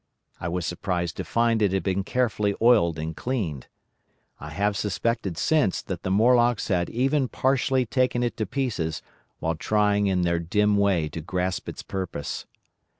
I was surprised to find it had been carefully oiled and cleaned. I have suspected since that the Morlocks had even partially taken it to pieces while trying in their dim way to grasp its purpose.